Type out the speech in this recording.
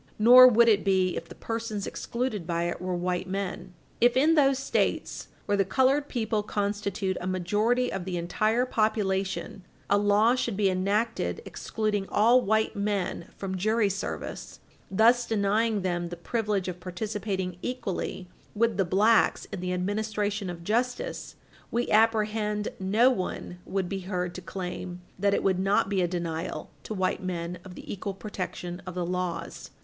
Nor would it be if the persons excluded by it were white men. If, in those States where the colored people constitute a majority of the entire population, a law should be enacted excluding all white men from jury service, thus denying to them the privilege of participating fully with the blacks in the administration of justice, we apprehend no one would be heard to claim that it would not be a denial to white men of the equal protection of the laws.